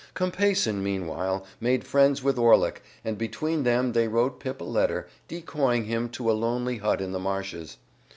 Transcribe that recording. Compeyson, meanwhile, made friends with Orlick, and between them they wrote Pip a letter, decoying him to a lonely hut in the marshes.